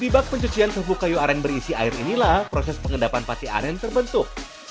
dibak pencucian sebuah kayu aren berisi air inilah proses pengendapan pate aren terbentuk